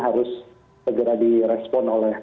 harus segera di respon oleh